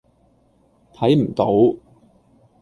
睇唔到